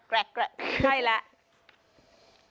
แกรกใช่แล้ว